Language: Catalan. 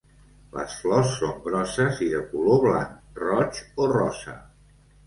Les flors són grosses i de color blanc, roig o rosa.